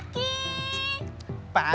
pagi kiki aminarti